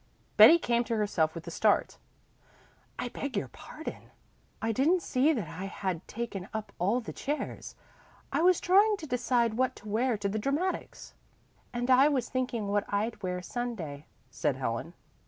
Betty came to herself with a start. "I beg your pardon. I didn't see that I had taken up all the chairs. I was trying to decide what to wear to the dramatics." "And I was thinking what I'd wear Sunday," said Helen.